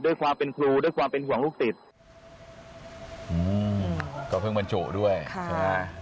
ด้วยความเป็นครูด้วยความเป็นห่วงลูกติดอืมก็เพิ่งบรรจุด้วยใช่ไหม